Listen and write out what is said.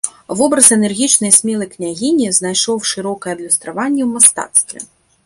Вобраз энергічнай і смелай княгіні знайшоў шырокае адлюстраванне ў мастацтве.